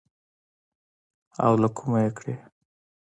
او له کومه يې کړې.